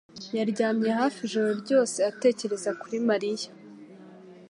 yaryamye hafi ijoro ryose atekereza kuri Mariya